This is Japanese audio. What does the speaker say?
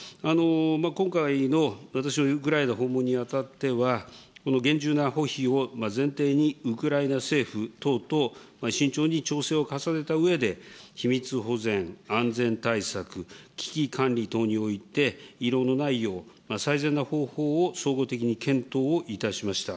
今回の私のウクライナ訪問にあたっては、厳重な保秘を前提に、ウクライナ政府等々、慎重に調整を重ねたうえで、秘密保全、安全対策、危機管理等において、遺漏の内容、最善な方法を総合的に検討をいたしました。